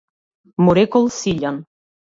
му рекол Силјан.